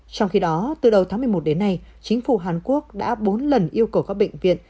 trong khi đó từ đầu tháng một mươi một đến nay chính phủ hàn quốc đã bốn lần yêu cầu các bệnh viện